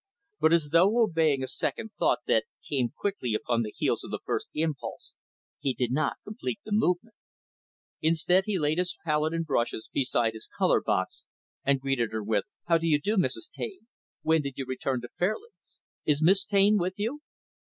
But, as though obeying a second thought that came quickly upon the heels of the first impulse, he did not complete the movement. Instead, he laid his palette and brushes beside his color box, and greeted her with, "How do you do, Mrs. Taine? When did you return to Fairlands? Is Miss Taine with you?"